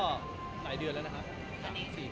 ปิดไฝ่๓๔เดือนแล้วแล้วปิดไปถึงภัย๕๖ค่ะ